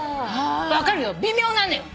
分かるよ微妙なのよ。